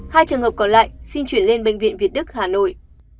hai trường hợp còn lại xin chuyển lên bệnh viện việt đức hà nội